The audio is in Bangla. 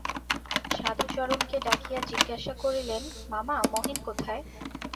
সাধুচরণকে ডাকিয়া জিজ্ঞাসা করিলেন, মামা, মহিন কোথায়।